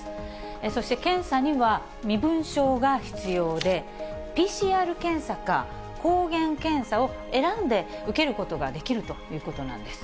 そして、検査には身分証が必要で、ＰＣＲ検査か抗原検査を選んで受けることができるということなんです。